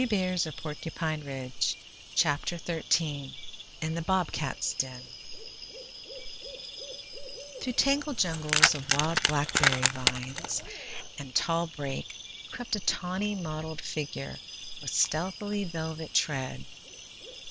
[Illustration: IN THE BOBCAT'S DEN] XIII IN THE BOBCAT'S DEN Through tangled jungles of wild blackberry vines and tall brake crept a tawny, mottled figure with stealthily velvet tread.